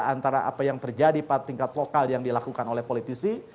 antara apa yang terjadi pada tingkat lokal yang dilakukan oleh politisi